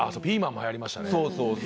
ピーマンもはやりましたね。